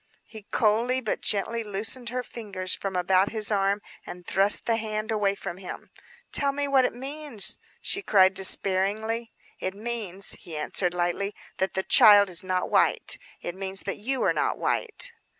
He coldly but gently loosened her fingers from about his arm and thrust the hand away from him. "Tell me what it means!" she cried despairingly. "It means," he answered lightly, "that the child is not white; it means that you are not white."